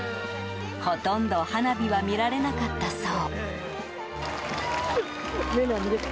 ほとんど花火は見られなかったそう。